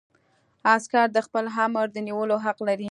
عسکر د خپل آمر د نیولو حق لري.